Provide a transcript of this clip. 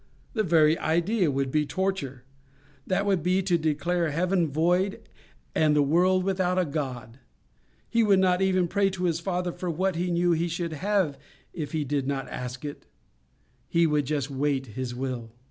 The very idea would be torture. That would be to declare heaven void, and the world without a God. He would not even pray to His Father for what He knew He should have if He did ask it. He would just wait His will.